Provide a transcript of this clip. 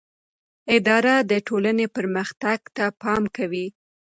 اداره د ټولنې پرمختګ ته پام کوي.